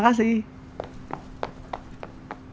harus dibayar dz census jadi